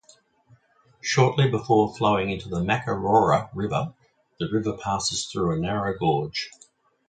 Shortly before flowing into the Makarora River, the river passes through a narrow gorge.